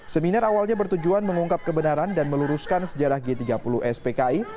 seminar awalnya bertujuan mengungkap kebenaran dan meluruskan sejarah g tiga puluh spki